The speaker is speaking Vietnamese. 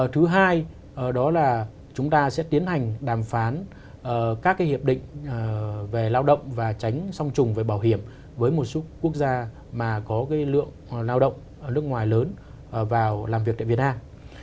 thứ hai đó là chúng ta sẽ tiến hành đàm phán các hiệp định về lao động và tránh song trùng với bảo hiểm với một số quốc gia mà có lượng lao động nước ngoài lớn vào làm việc tại việt nam